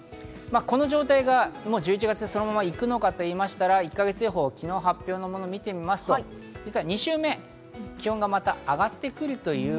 この状態が１１月、そのまま行くのかと言いましたら、１か月予報、昨日の発表のものを見てみますと、実は２週目、気温がまた上がってくる。